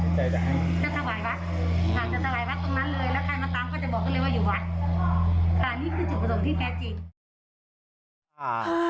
อันนี้คือจิตประสงค์ที่แพทย์จีน